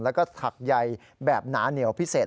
แล้วก็ถักใยแบบหนาเหนียวพิเศษ